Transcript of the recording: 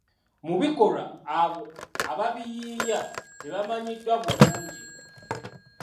Mu bikolwa abo abaabiyiiya tebamanyiddwa bulungi.